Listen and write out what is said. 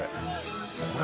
これ。